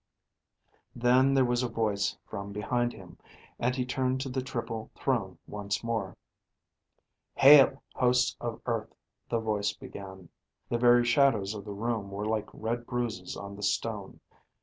Then there was a voice from behind him, and he turned to the triple throne once more. "Hail, hosts of Earth," the voice began. The very shadows of the room were like red bruises on the stone.